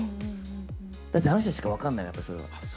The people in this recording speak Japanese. だってあの人たちしか分からないもん。